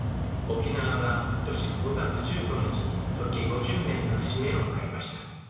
沖縄は今年５月１５日に復帰５０年の節目を迎えました。